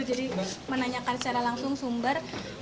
jadi menanyakan secara langsung sumber